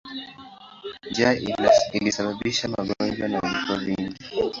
Njaa ilisababisha magonjwa na vifo vingi.